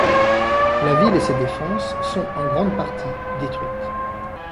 La ville et ses défenses sont, en grande partie, détruites.